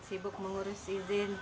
sibuk mengurus izin